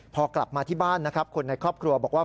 พอกลับมาที่บ้านนะครับคนในครอบครัวบอกว่า